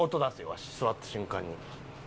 わし座った瞬間に。